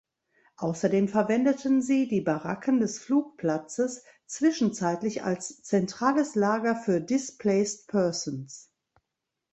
Außerdem verwendeten sie die Baracken des Flugplatzes zwischenzeitlich als zentrales Lager für Displaced Persons.